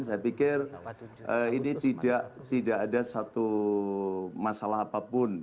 saya pikir ini tidak ada satu masalah apapun